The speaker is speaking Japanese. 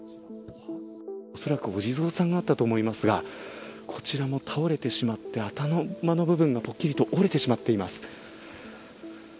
恐らくお地蔵さんがあったと思いますがこちらも倒れてしまって頭の部分がぽっきりと折れてしまっています。